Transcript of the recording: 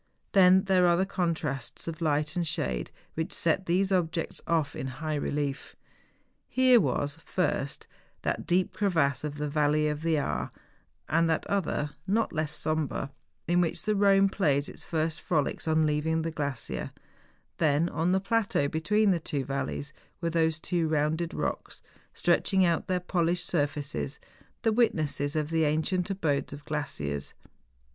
Then there are the contrasts of light and shade which set these objects off in high relief. Here was, first, that deep crevasse of the Valley of the Aar, and that other, not less sombre, in which the Ehone plays his first frolics on leaving the glacier; then, on the plateau between the two valleys, were those two rounded rocks, stretching out their polished sur¬ faces, the witnesses of the ancient abodes of glaciers.